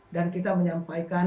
dan kita menyampaikan